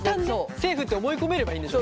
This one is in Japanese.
セーフって思い込めればいいんでしょ？